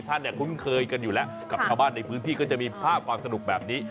ท่านเนี่ยคุ้นเคยกันอยู่แล้วกับชาวบ้านในพื้นที่ก็จะมีภาพความสนุกแบบนี้